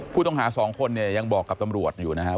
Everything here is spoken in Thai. ผู้ต้องหา๒คนเนี่ยยังบอกกับตำรวจอยู่นะครับ